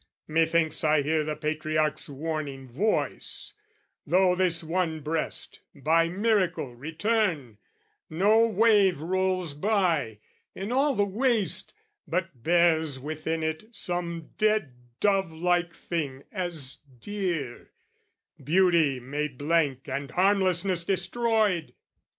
"Methinks I hear the Patriarch's warning voice "'Though this one breast, by miracle, return, "'No wave rolls by, in all the waste, but bears "'Within it some dead dove like thing as dear, "'Beauty made blank and harmlessness destroyed!'